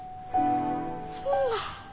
そんな。